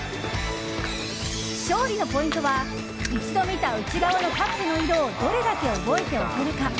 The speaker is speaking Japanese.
勝利のポイントは一度見た内側のカップの色をどれだけ覚えておけるか。